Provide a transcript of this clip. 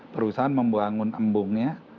perusahaan membangun embungnya